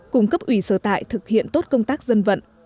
cung cấp ủy sở tại thực hiện tốt công tác dân vận